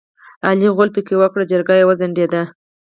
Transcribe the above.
علي غول پکې وکړ؛ جرګه وځنډېده.